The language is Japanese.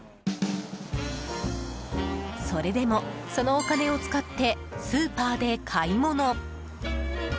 それでも、そのお金を使ってスーパーで買い物。